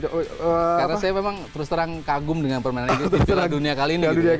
karena saya memang terus terang kagum dengan permainan inggris di dunia kali ini